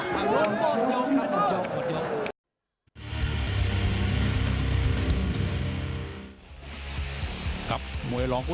บอกยกครับหมดยก